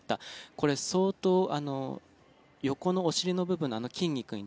これ、相当横のお尻の部分の筋肉に